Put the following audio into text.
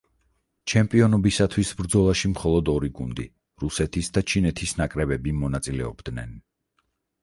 ჩემპიონობისათვის ბრძოლაში მხოლოდ ორი გუნდი, რუსეთის და ჩინეთის ნაკრებები მონაწილეობდნენ.